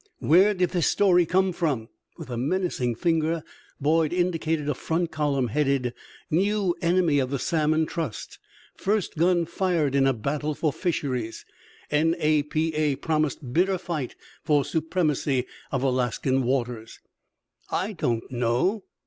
"Where did this story come from?" With menacing finger Boyd indicated a front column, headed: NEW ENEMY OF THE SALMON TRUST! FIRST GUN FIRED IN BATTLE FOR FISHERIES! N. A. P. A. PROMISED BITTER FIGHT FOR SUPREMACY OF ALASKAN WATERS! "I don't know."